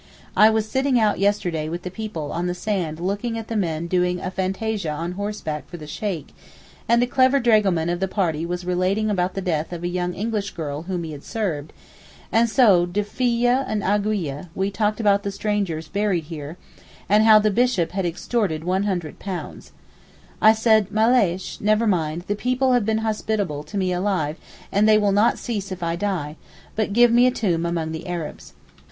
I was sitting out yesterday with the people on the sand looking at the men doing fantasia on horseback for the Sheykh, and a clever dragoman of the party was relating about the death of a young English girl whom he had served, and so de fil en aiguille we talked about the strangers buried here and how the bishop had extorted £100. I said, 'Maleysh (never mind) the people have been hospitable to me alive and they will not cease if I die, but give me a tomb among the Arabs.